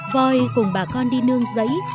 voi cùng bà con đi nương giấy